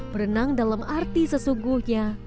berenang dalam arti sesungguhnya